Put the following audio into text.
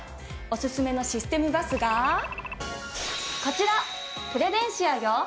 おすすめのシステムバスがこちらプレデンシアよ。